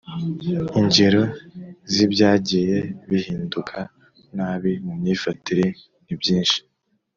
Ingero z'ibyagiye bihinduka nabi mu myifatire ni byinshi: